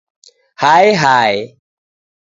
Hae hae